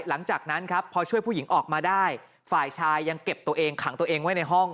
หลังจากนั้นครับพอช่วยผู้หญิงออกมาได้ฝ่ายชายยังเก็บตัวเองขังตัวเองไว้ในห้อง